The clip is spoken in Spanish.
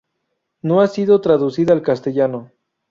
No ha sido traducida al castellano.